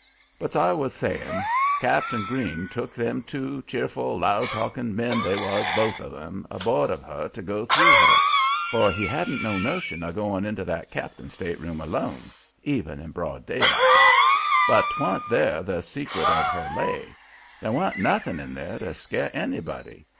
But 's I was sayin', Cap'n Green took them two cheerful, loud talkin' men they was both of 'em aboard of her to go through her, for he hadn't no notion o' goin' into that cap'n's stateroom alone, even in broad daylight; but 'twan't there the secret of her lay; there wan't nothin' in there to scare anybody.